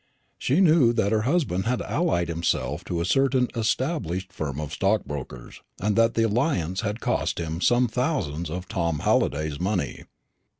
She knew that her husband had allied himself to a certain established firm of stockbrokers, and that the alliance had cost him some thousands of Tom Halliday's money.